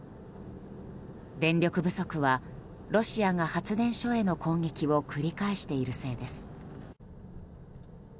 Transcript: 電力不足はロシアが発電所への攻撃を繰り返しているせいです。